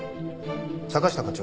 坂下課長。